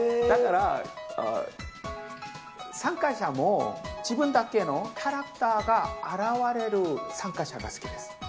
だから、参加者も自分だけのキャラクターが表れる参加者が好きです。